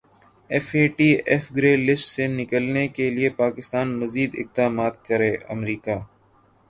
F A T F grey list سے نکلنے کیلئے پاکستان مزید اقدامات کرے امریکا